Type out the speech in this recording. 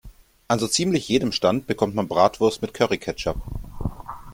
An so ziemlich jedem Stand bekommt man Bratwurst mit Curry-Ketchup.